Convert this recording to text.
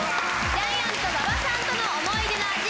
ジャイアント馬場さんとの思い出の味